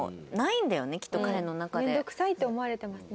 面倒くさいって思われてますね。